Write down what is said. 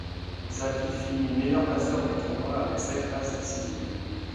Xavi finit meilleur passeur du tournoi avec sept passes décisives.